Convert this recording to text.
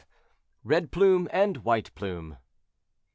RED PLUME AND WHITE PLUME.